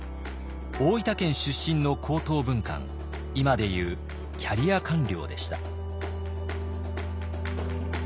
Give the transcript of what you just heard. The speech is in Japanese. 大分県出身の高等文官今で言うキャリア官僚でした。